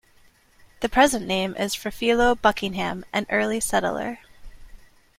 The present name is for Philo Buckingham, an early settler.